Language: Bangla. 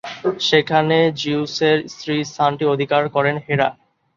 সেখানে জিউসের স্ত্রীর স্থানটি অধিকার করেন হেরা।